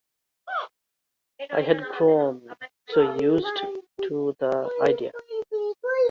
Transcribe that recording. I had grown so used to the idea.